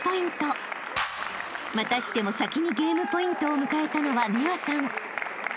［またしても先にゲームポイントを迎えたのは美和さん］